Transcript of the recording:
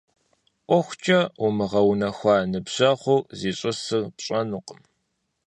ӀуэхукӀэ умыгъэунэхуауэ ныбжьэгъур зищӀысыр пщӀэнукъым.